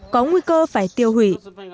có nguy cơ phải tiêu hủy